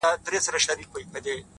• ورته راغله د برکلي د ښکاریانو,